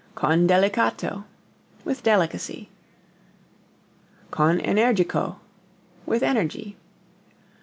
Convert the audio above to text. Con delicato with delicacy. Con energico with energy.